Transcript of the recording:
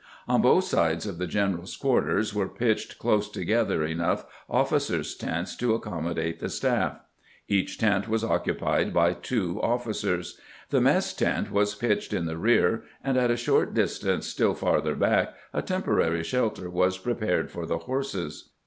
On both sides of the general's quarters were pitched close together enough officers' tents to accommodate the staff. Each tent was occupied by two officers. The mess tent was pitched in the rear, and at a short distance still farther back a temporary shelter was prepared for the horses.